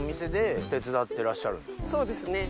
そうですね。